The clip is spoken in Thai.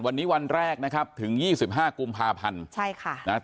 วันนี้วันแรกถึง๒๕กุมภาพันธ์